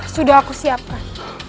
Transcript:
sudah aku siapkan